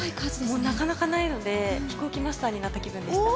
もうなかなかないので、飛行機マスターになった気分でした。